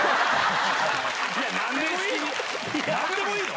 何でもいいの？